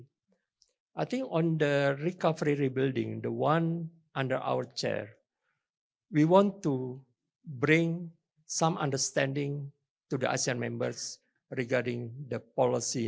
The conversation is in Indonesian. saya pikir pada pembangunan recovery yang di bawah kursus kami kami ingin membawa pemahaman kepada anggota asean mengenai normalisasi polisi